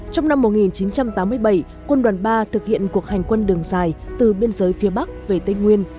trong năm một nghìn chín trăm tám mươi bảy quân đoàn ba thực hiện cuộc hành quân đường dài từ biên giới phía bắc về tây nguyên